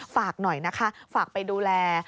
ฝากหน่อยนะคะฝากไปดูแล